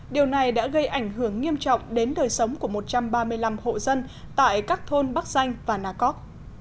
điều này đã gây ảnh hưởng nghiêm trọng đến đời sống của một trăm ba mươi năm hộ dân tại các thôn bắc danh và nà cóc